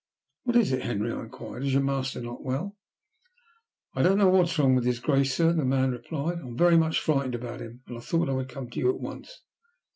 "What is it, Henry?" I inquired. "Is your master not well?" "I don't know what's wrong with his Grace, sir," the man replied. "I'm very much frightened about him, and I thought I would come to you at once."